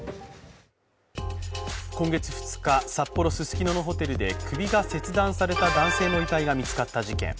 今月２日、札幌・ススキノのホテルで首が切断された男性の遺体が見つかった事件。